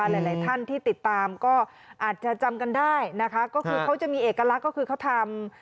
หลายหลายท่านที่ติดตามก็อาจจะจำกันได้นะคะก็คือเขาจะมีเอกลักษณ์ก็คือเขาทำ